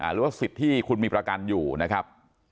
หรือว่าสิทธิ์ที่คุณมีประกันอยู่นะครับ